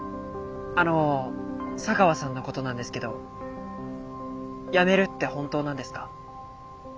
あの茶川さんのことなんですけど辞めるって本当なんですか？